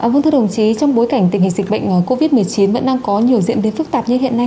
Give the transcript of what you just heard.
vâng thưa đồng chí trong bối cảnh tình hình dịch bệnh covid một mươi chín vẫn đang có nhiều diễn biến phức tạp như hiện nay